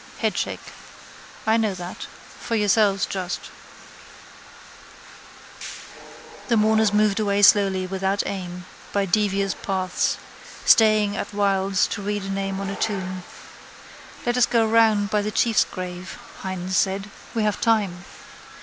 Headshake. I know that. For yourselves just. The mourners moved away slowly without aim, by devious paths, staying at whiles to read a name on a tomb. —Let us go round by the chief's grave, Hynes said. We have time.